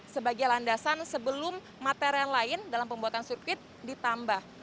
sebagai landasan sebelum material lain dalam pembuatan sirkuit ditambah